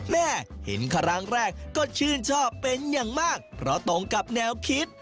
เห็นครั้งแรกก็ชื่นชอบเป็นอย่างมากเพราะตรงกับแนวคิด